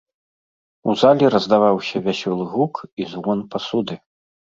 У залі раздаваўся вясёлы гук і звон пасуды.